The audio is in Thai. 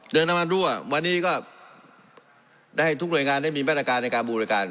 น้ำมันรั่ววันนี้ก็ได้ให้ทุกหน่วยงานได้มีมาตรการในการบริการ